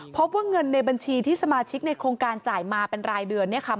พบว่าเงินในบัญชีที่สมาชิกในโครงการจ่ายมาเป็นรายเดือนเนี่ยค่ะ